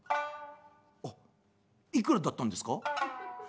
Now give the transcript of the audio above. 「あいくらだったんですか？」。